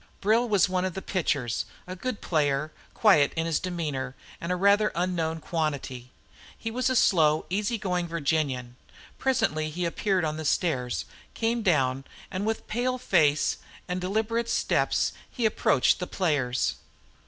Brill was one of the pitchers, a good player, quiet in his demeanor, and rather an unknown quantity. He was a slow, easy going Virginian. Presently he appeared on the stairs, came down, and with pale face and deliberate steps he approached the players.